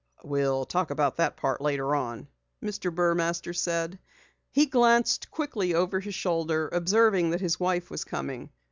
"We'll talk about that part later on," Mr. Burmaster said. He glanced quickly over his shoulder, observing that his wife was coming.